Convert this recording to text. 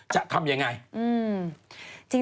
จะทำอย่างไร